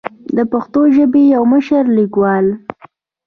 د پښتو ژبې يو مشر ليکوال